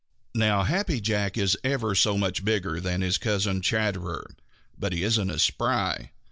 Now Happy Jack is ever so much bigger than his cousin Chatterer but he isn't as spry.